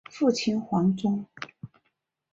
父亲黄中。